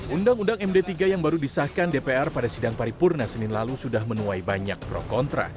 undang undang md tiga yang baru disahkan dpr pada sidang paripurna senin lalu sudah menuai banyak pro kontra